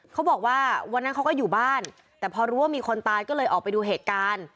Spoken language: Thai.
เขาบอกว่าวันนั้นเขาก็อยู่บ้านแต่พอรู้ว่ามีคนตายก็เลยออกไปดูเหตุการณ์